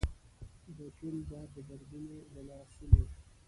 د توند باد درنو لاسونو